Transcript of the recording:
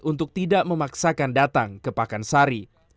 untuk tidak memaksakan datang ke pakansari